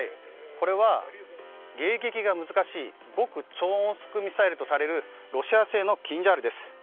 これは、迎撃が難しい極超音速ミサイルとされるロシア製のキンジャールです。